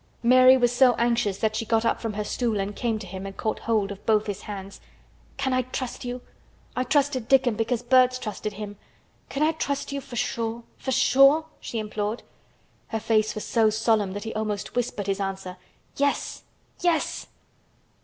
Mary was so anxious that she got up from her stool and came to him and caught hold of both his hands. "Can I trust you? I trusted Dickon because birds trusted him. Can I trust you—for sure—for sure?" she implored. Her face was so solemn that he almost whispered his answer. "Yes—yes!"